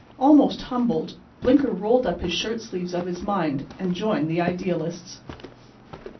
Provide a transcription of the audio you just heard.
Almost humbled, Blinker rolled up the shirt sleeves of his mind and joined the idealists.